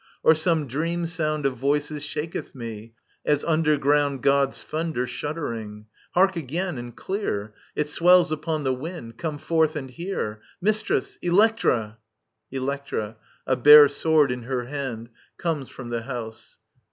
Or some dream sound Of voices shaketh me, as underground God's thunder shuddering ? Hark, again, and clear ! It swells upon the wind. — Come forth and hear 1 Mistress, Electra 1 Electra, a ban sword in her hand^ comes from the house.